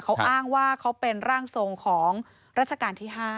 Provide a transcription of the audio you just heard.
เขาอ้างว่าเขาเป็นร่างทรงของรัชกาลที่๕